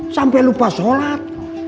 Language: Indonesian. sampai lupa sholat